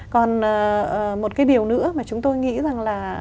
còn một cái điều nữa mà chúng tôi nghĩ rằng là